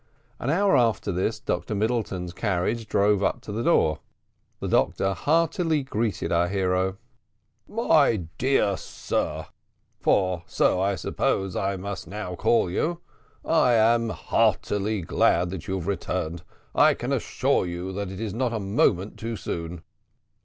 An hour after this Dr Middleton's carriage drove up to the door. The doctor heartily greeted our hero. "My dear sir for so I suppose I must now call you I am heartily glad that you have returned. I can assure you that it is not a moment too soon."